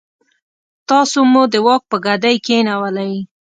تاسو مو د واک په ګدۍ کېنولئ.